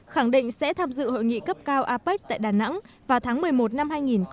khẳng định sẽ tham dự hội nghị cấp cao apec tại đà nẵng vào tháng một mươi một năm hai nghìn hai mươi